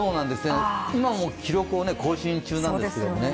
今も記録を更新中なんですよね。